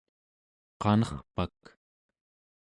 qanerpak